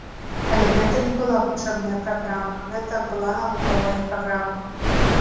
Але гэта не была вучэбная праграма, гэта была навуковая праграма.